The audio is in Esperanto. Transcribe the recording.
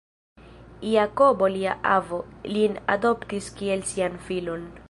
Jakobo, lia avo, lin adoptis kiel sian filon.